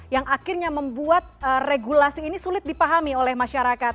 yang akhirnya membuat regulasi ini sulit dipahami oleh masyarakat